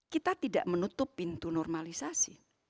kita tidak menutup pintu normalisasi